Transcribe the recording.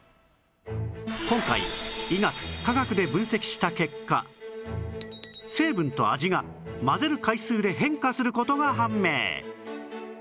今回医学・科学で分析した結果成分と味が混ぜる回数で変化する事が判明